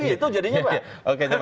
itu jadinya apa